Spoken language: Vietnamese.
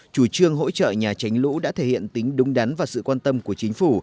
chủ trương hỗ trợ nhà tránh lũ đã thể hiện tính đúng đắn và sự quan tâm của chính phủ